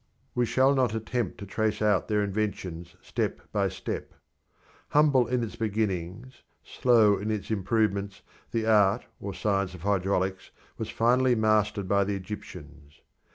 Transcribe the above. We shall not attempt to trace out their inventions step by step. Humble in its beginnings, slow in its improvements, the art or science of hydraulics was finally mastered by the Egyptians.